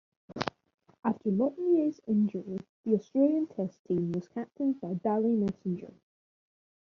After Lutge's injury, the Australian test team was captained by Dally Messenger.